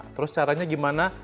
terus caranya gimana